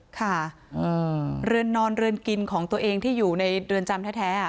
ค่ะเรือนนอนเรือนกินของตัวเองที่อยู่ในเรือนจำแท้